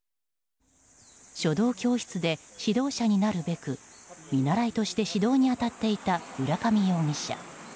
書道教室で指導者になるべく見習いとして指導に当たっていた浦上容疑者。